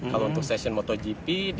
kalau untuk sesi motogp